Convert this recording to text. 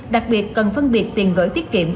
đặc biệt cần phân biệt tiền gửi tiết kiệm